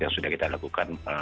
yang sudah kita lakukan